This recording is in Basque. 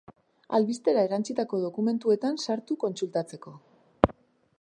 Albistera erantsitako dokumentuetan sartu kontsultatzeko.